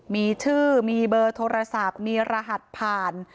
มีชื่อมีเบอร์โทรศัพท์มีรหัสผ่าน